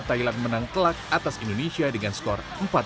thailand menang telak atas indonesia dengan skor empat satu